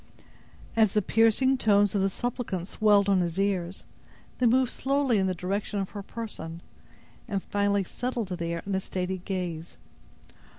As the piercing tones of the suppliant swelled on his ears, they moved slowly in the direction of her person, and finally settled there in a steady gaze.